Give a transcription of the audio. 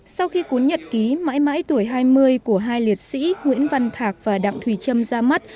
sau khi cuốn nhật ký mãi mãi tuổi hai mươi của hai liệt sĩ nguyễn văn thạc và đặng thùy trâm ra mắt